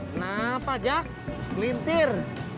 kenapa jak lintir